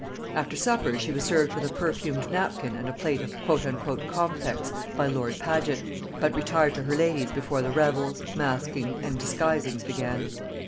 After supper she was served with a perfumed napkin and a plate of "comfects" by lord Paget, but retired to her ladies before the revels, masking, and disguisings began.